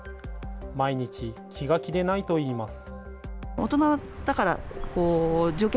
毎日、気が気でないといいます。